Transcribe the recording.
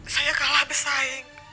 saya kalah bersaing